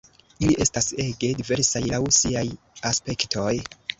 Ili estas ege diversaj laŭ siaj aspektoj.